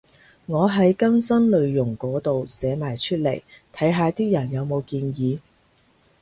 我喺更新內容嗰度寫埋出嚟，睇下啲人有冇建議